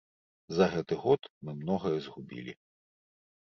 За гэты год мы многае згубілі.